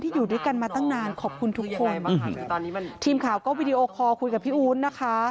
ทีมข่าวก็วีดีโอคอลคุยกับพี่อู๋นะคะ